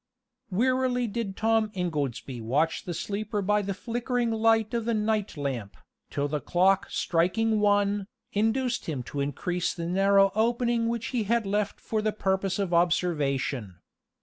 Wearily did Tom Ingoldsby watch the sleeper by the flickering light of the night lamp, till the clock striking one, induced him to increase the narrow opening which he had left for the purpose of observation.